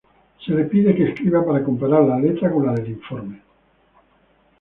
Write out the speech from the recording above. Se le pide que escriba para comparar la letra con la del informe.